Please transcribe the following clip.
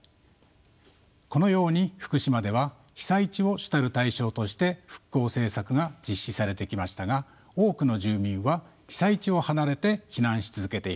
このように福島では被災地を主たる対象として復興政策が実施されてきましたが多くの住民は被災地を離れて避難し続けています。